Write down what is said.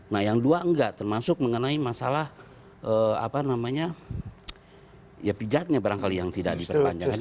nah yang dua enggak termasuk mengenai masalah apa namanya ya pijatnya barangkali yang tidak diperpanjang